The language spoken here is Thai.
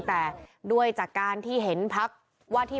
แต่ด้วยจากการที่เห็นพักว่าที่